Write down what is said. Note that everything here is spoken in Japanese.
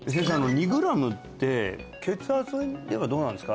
２グラムって血圧ではどうなんですか？